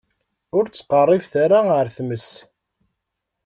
Ur ttqeṛṛibet ara ar tmes.